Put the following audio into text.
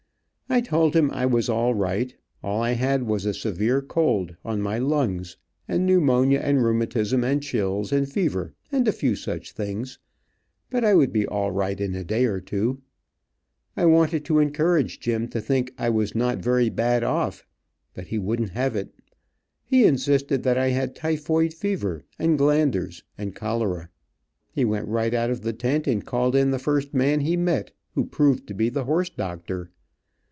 I told him I was all right. All I had was a severe cold, on my lungs, and pneumonia, and rheumatism, and chills and fever, and a few such things, but I would be all right in a day or two. I wanted to encourage Jim to think I was not very bad off, but he wouldn't have it. He insisted that I had typhoid fever, and glanders, and cholera. He went right out of the tent and called in the first man he met, who proved to be the horse doctor.